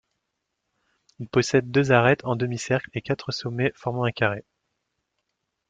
Il possède deux arêtes en demi-cercles, et quatre sommets formant un carré.